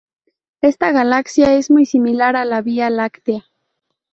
Esta galaxia es muy similar a la Vía Láctea.